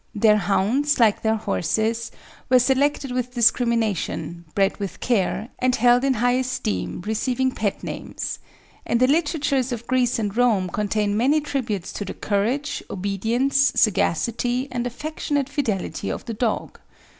Their hounds, like their horses, were selected with discrimination, bred with care, and held in high esteem, receiving pet names; and the literatures of Greece and Rome contain many tributes to the courage, obedience, sagacity, and affectionate fidelity of the dog.